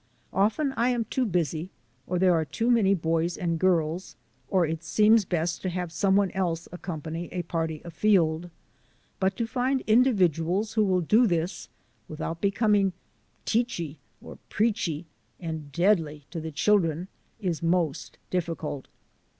Often I am too busy, or there are too many boys and girls, or it seems best to have someone else ac company a party afield. But to find individuals who will do this without becoming teachy or preachy and deadly to the children is most difficult.